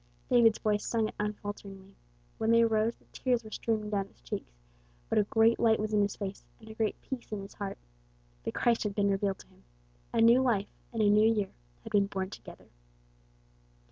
David's voice sung it unfalteringly. When they arose the tears were streaming down his cheeks, but a great light was in his face, and a great peace in his heart. The Christ had been revealed to him. A new life and a new year had been born together.